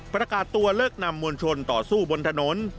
ประกาศตัวเลิกนำมวลชนต่อสู้บนถนน